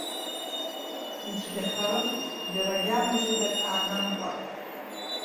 Ицәгьахарым, џьара гьама ҷыдак аанамхәар.